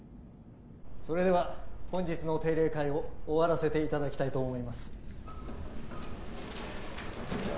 ・それでは本日の定例会を終わらせていただきたいと思います